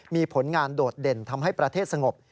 มีผลงานโดดเด่นทำให้ประเทศสงบ